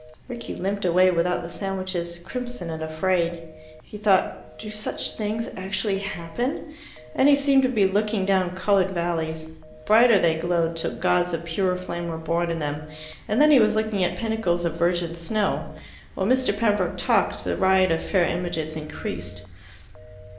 Rickie limped away without the sandwiches, crimson and afraid. He thought, "Do such things actually happen?" and he seemed to be looking down coloured valleys. Brighter they glowed, till gods of pure flame were born in them, and then he was looking at pinnacles of virgin snow. While Mr. Pembroke talked, the riot of fair images increased.